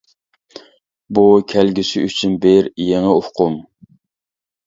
بۇ كەلگۈسى ئۈچۈن بىر يېڭى ئۇقۇم!